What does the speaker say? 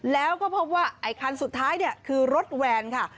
แล้วก็พบว่าไอ้คันสุดท้ายเนี่ยคือรถแวนค่ะ